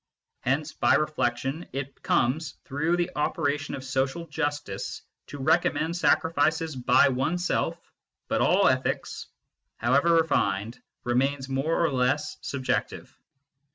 Hence, by reflexion, it comes, through the operation of social justice, to recommend sacrifices by oneself, but all ethics, however refined, remains more or less subjective.